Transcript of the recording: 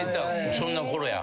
そんな頃や。